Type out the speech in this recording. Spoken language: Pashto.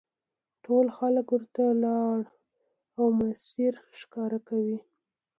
ټول خلک ورته لاره او مسیر ښکاره کوي.